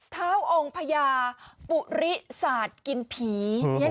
เท้าองค์พญาปุริศาสตร์กินผี